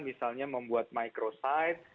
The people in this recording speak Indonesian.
misalnya membuat microsite